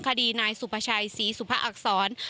คดีนายสุภาชัยศรีสุภาอักษร